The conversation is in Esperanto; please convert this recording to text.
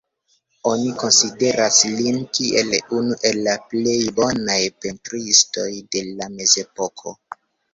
Oni konsideras lin kiel unu el la plej bonaj pentristoj de la mezepoko.